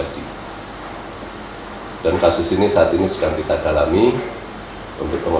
jalan jalan men